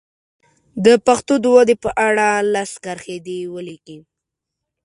د پښتو د ودې په اړه لس کرښې دې ولیکي.